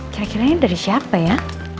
kira kira ini dari siapa ya